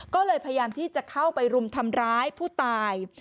ก็เลยพยายามที่จะเข้าไปรุมทำร้ายผู้ตาย